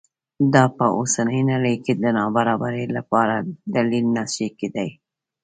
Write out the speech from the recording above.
دا په اوسنۍ نړۍ کې د نابرابرۍ لپاره دلیل نه شي کېدای.